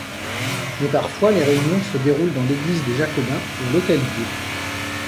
Mais parfois, les réunions se déroulent dans l'église des Jacobins ou à l'hôtel-Dieu.